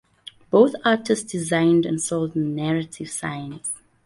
Both artists designed and sold narrative signs.